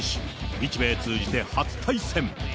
日米通じて初対戦。